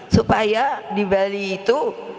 supaya di bali itu